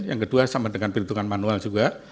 yang kedua sama dengan perhitungan manual juga